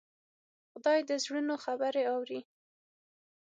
خدای د زړونو خبرې اوري.